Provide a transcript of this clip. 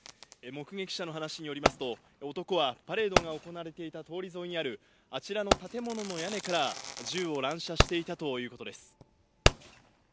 目撃者の話によりますと、男はパレードが行われていた通り沿いにある、あちらの建物の屋根から銃を乱射していたということです。